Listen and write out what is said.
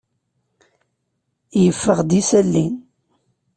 Yeffeɣ-d yisali.